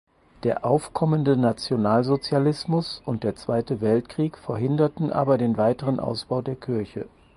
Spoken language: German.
Der aufkommende Nationalsozialismus und der Zweite Weltkrieg verhinderten aber den weiteren Ausbau der Kirche.